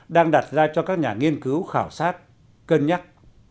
đang đặt ra cho các nhà nghiên cứu khảo sát cân nhắc